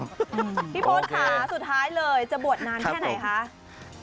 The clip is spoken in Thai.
พี่พศค่ะสุดท้ายเลยจะบวชนานแค่ไหนคะ